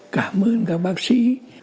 cảm ơn các bác sĩ